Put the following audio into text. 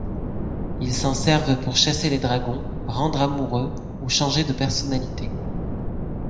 Ils s'en servent pour chasser les dragons, rendre amoureux ou changer de personnalité.